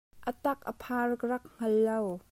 A tak a phar ka rak hngal lo.